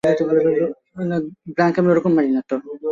ললিতা যাহাতে তাহাকে না দেখিতে পায় এমন করিয়াই বিনয় দাঁড়াইয়াছিল।